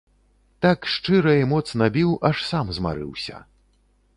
Так шчыра і моцна біў, аж сам змарыўся.